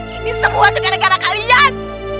ini semua juga gara gara kalian